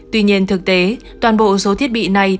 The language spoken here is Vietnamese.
tuy nhiên thực tế toàn bộ số thiết bị này